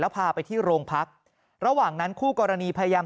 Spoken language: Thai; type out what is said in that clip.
พาไปที่โรงพักระหว่างนั้นคู่กรณีพยายาม